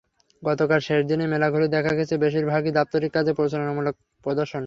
গতকাল শেষ দিনে মেলা ঘুরে দেখা গেছে, বেশির ভাগই দাপ্তরিক কাজের প্রচারণামূলক প্রদর্শন।